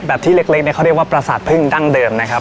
ที่เล็กเนี่ยเขาเรียกว่าประสาทพึ่งดั้งเดิมนะครับ